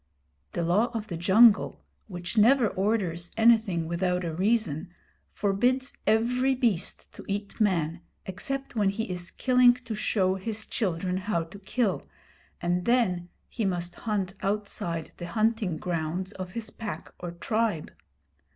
The Law of the Jungle, which never orders anything without a reason, forbids every beast to eat Man except when he is killing to show his children how to kill, and then he must hunt outside the hunting grounds of his pack or tribe.